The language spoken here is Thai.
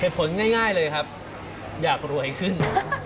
ผลง่ายเลยครับอยากรวยขึ้น